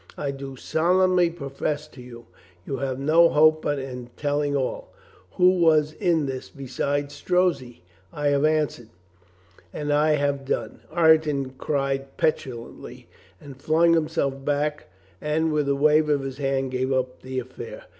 I do solemnly profess to you, you have no hope but in telling all. Who was in this beside Strozzi ?" "I have answered." "And I have done!" Ireton cried petulantly, and flung himself back and with a wave of his hand gave up the affair.